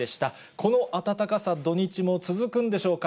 この暖かさ、土日も続くんでしょうか。